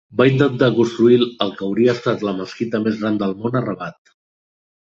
Va intentar construir el que hauria estat la mesquita més gran del món a Rabat.